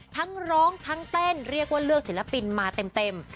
ทั้งร้องทั้งเต้นเรียกว่าเลือกศิลปินมาเต็ม